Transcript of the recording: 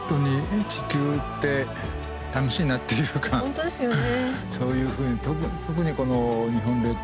本当ですよね。